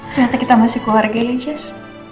ternyata kita masih keluarganya jazz